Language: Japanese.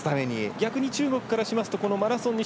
逆に、中国からしますとこのマラソンに